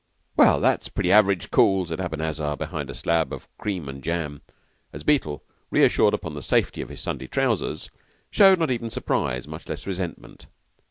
"Well, that's pretty average cool," said Abanazar behind a slab of cream and jam, as Beetle, reassured upon the safety of his Sunday trousers, showed not even surprise, much less resentment.